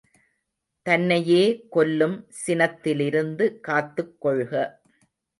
தன்னையே கொல்லும் சினத்திலிருந்து காத்துக் கொள்க.